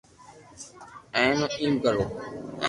اينو ايم ڪروا